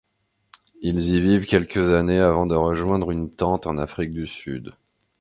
Ils y vivent quelques années avant de rejoindre une tante en Afrique du Sud.